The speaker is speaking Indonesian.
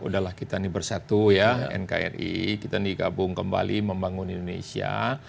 udahlah kita ini bersatu ya nkri kita ini gabung kembali membangun indonesia